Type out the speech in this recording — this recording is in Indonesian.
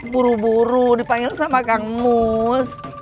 buru buru dipanggil sama kang mus